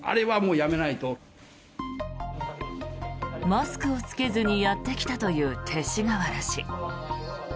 マスクを着けずにやってきたという勅使河原氏。